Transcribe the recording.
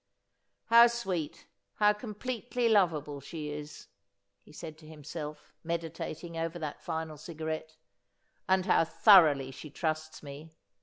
' How sweet — how completely lov able she is,' he said to himself , meditating over that final cigarette, ' and how thoroughly she trusts me